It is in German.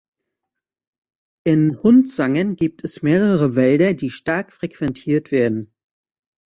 In Hundsangen gibt es mehrere Wälder, die stark frequentiert werden.